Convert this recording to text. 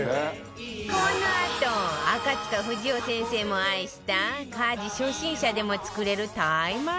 このあと赤塚不二夫先生も愛した家事初心者でも作れる台満